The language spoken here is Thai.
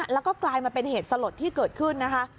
แล้วก็กลายมาเป็นเหตุสลดที่เกิดขึ้นนะคะ